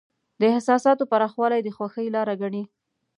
د احساساتو پراخوالی د خوښۍ لاره ګڼي.